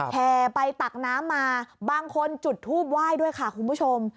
แห่ไปตักน้ำมาบางคนจุดทูบไหว้ด้วยค่ะคุณผู้ชม